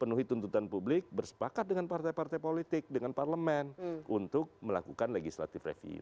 penuhi tuntutan publik bersepakat dengan partai partai politik dengan parlemen untuk melakukan legislative review